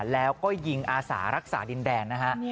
แล้วก็ยิงอาสารักษาดินแดนนะฮะ